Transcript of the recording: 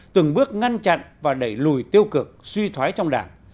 từng bước ngăn chặn và đẩy lùi tiêu cực suy thoái trong đảng